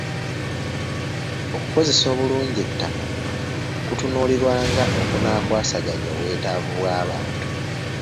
Okukozesa obulungi ettaka, kutunuulirwa nga okunaakwasaganya obwetaavu bw'abantu.